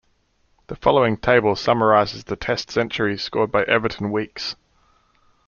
The following table summarises the Test centuries scored by Everton Weekes.